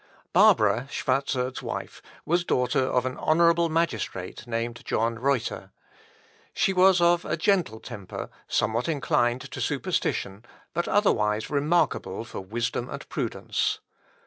Barbara, Schwarzerd's wife, was daughter of an honourable magistrate named John Reuter. She was of a gentle temper, somewhat inclined to superstition, but otherwise remarkable for wisdom and prudence.